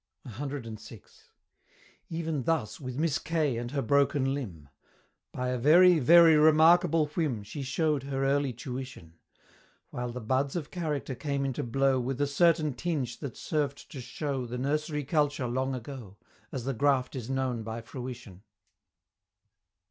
CVI. Even thus with Miss K. and her broken limb: By a very, very remarkable whim, She show'd her early tuition: While the buds of character came into blow With a certain tinge that served to show The nursery culture long ago, As the graft is known by fruition!